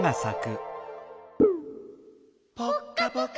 ぽっかぽか。